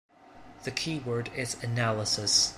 The key word is analysis.